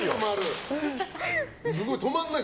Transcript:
すごい、止まらない。